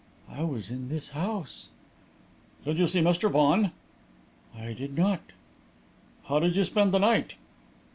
"I was in this house." "Did you see Mr. Vaughan?" "I did not." "How did you spend the night?"